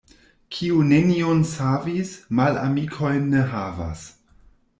Kiu neniun savis, malamikojn ne havas.